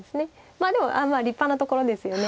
まあでも立派なところですよね。